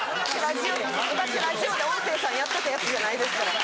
昔ラジオで音声さんやってたやつじゃないですから。